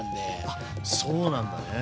あっそうなんだね。